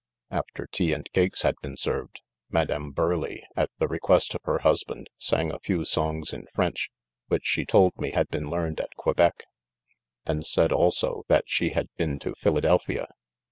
r tea and cakes had been served, Mad tiirleigh, at the request of her husband, ig a' few songs in French, which she told me '''had been : learned at > Quebec | and said also,, that she had been to Philadelphia.